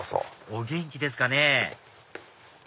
お元気ですかね？